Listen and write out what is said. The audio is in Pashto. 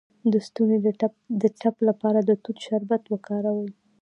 د ستوني د ټپ لپاره د توت شربت وکاروئ